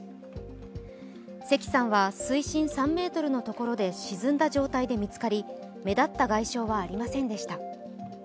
関さんは、水深３ｍのところで沈んだ状態で見つかり目立った外傷はありませんでした。